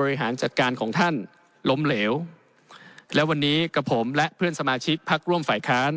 บริหารจัดการของท่านล้มเหลวและวันนี้กับผมและเพื่อนสมาชิกพักร่วมฝ่ายค้าน